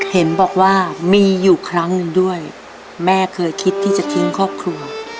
เห็นบอกว่ามีอยู่ครั้งหนึ่งด้วยแม่เคยคิดที่จะทิ้งครอบครัว